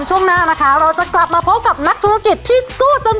ช่วงหน้านะคะเราจะกลับมาพบกับนักธุรกิจที่สู้จน